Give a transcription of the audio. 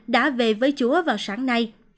đã về với chúa vào sáng nay